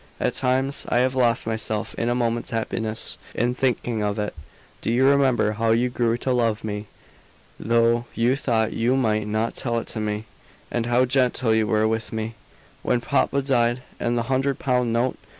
At times I have lost myself in a moment's happiness in thinking of it. Do you remember how you grew to love me, though you thought you might not tell it to me and how gentle you were with me, when papa died and the hundred pound note?